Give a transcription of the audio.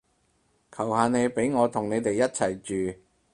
求下你畀我同你哋一齊住